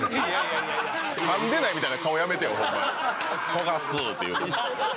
「とがす」って言うて。